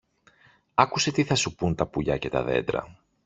άκουσε τι θα σου πουν τα πουλιά και τα δέντρα